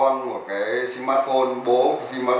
nó cũng bị giảm đi